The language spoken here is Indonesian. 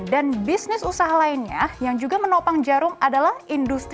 dan bisnis usaha lainnya yang juga menopang jarum adalah industri